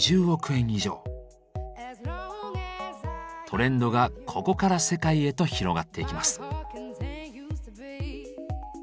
トレンドがここから世界へと広がっていきます。